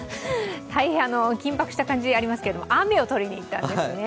大変緊迫した感じがありますけど、雨を撮りに行ったんですね